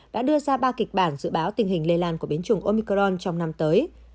đã đưa ra ba kịch bản dự báo tình hình lây lan của biến chủng omicron trong năm tới